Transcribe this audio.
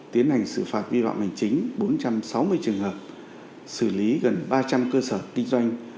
tiến hành xử phạt vi phạm hành chính bốn trăm sáu mươi trường hợp xử lý gần ba trăm linh cơ sở kinh doanh